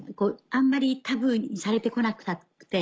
あんまりタブーにされて来なくなって。